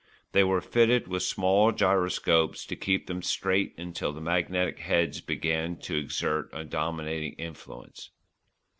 They were fitted with small gyroscopes to keep them straight until the magnetic heads began to exert a dominating influence.